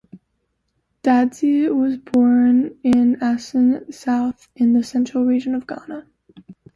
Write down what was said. Dadzie was born in Assin South in the Central Region of Ghana.